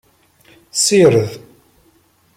Ssired.